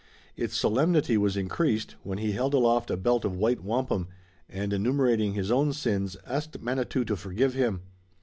Its solemnity was increased, when he held aloft a belt of white wampum, and, enumerating his own sins, asked Manitou to forgive him.